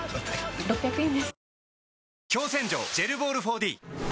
６００円です。